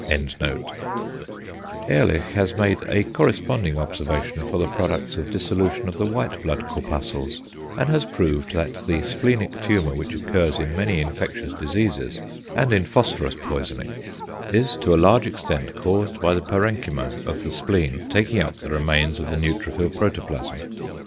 Ehrlich has made a corresponding observation for the products of dissolution of the white blood corpuscles, and has proved that the splenic tumour which occurs in many infectious diseases and in phosphorus poisoning is to a large extent caused by the parenchyma of the spleen taking up the remains of the neutrophil protoplasm.